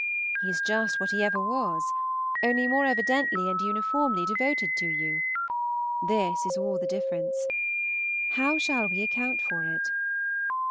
He is just what he ever was, only more evidently and uniformly devoted to you. This is all the difference. How shall we account for it?